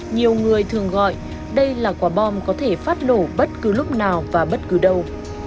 nhiều người thường gọi đây là quả bom có thể phát nổ bất cứ lúc nào và bất cứ đâu